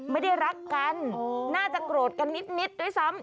ไม่ได้รักกันน่าจะโกรธกันนิดด้วยซ้ำ